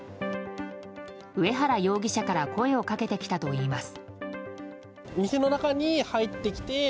上原容疑者から声をかけてきたといいます。